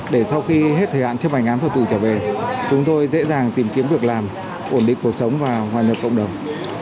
để sau khi hết thời hạn chấp hành án phạt tù trở về chúng tôi dễ dàng tìm kiếm việc làm ổn định cuộc sống và hòa nhập cộng đồng